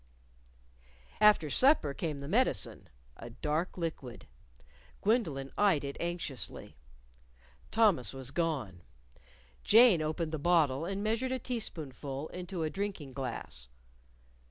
_" After supper came the medicine a dark liquid. Gwendolyn eyed it anxiously. Thomas was gone. Jane opened the bottle and measured a teaspoonful into a drinking glass.